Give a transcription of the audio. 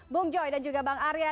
bung joy dan juga bang arya